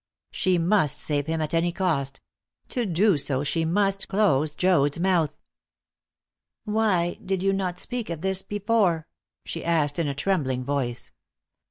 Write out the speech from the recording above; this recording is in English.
She must save him at any cost; to do so she must close Joad's mouth. "Why did you not speak of this before?" she asked in a trembling voice.